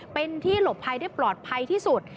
เป็นที่หลบภัยได้ปลอดภัยที่สุด